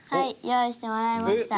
用意してもらいました。